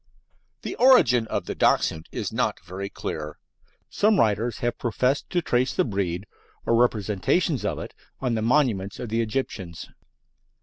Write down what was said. The origin of the Dachshund is not very clear. Some writers have professed to trace the breed or representations of it on the monuments of the Egyptians.